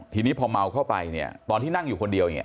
ทีนี้พอเมาเข้าไปเนี่ยตอนที่นั่งอยู่คนเดียวเนี่ย